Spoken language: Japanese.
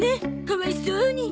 かわいそうに。